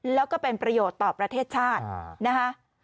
แล้วก็เป็นประโยชน์ต่อประเทศชาตินะคะ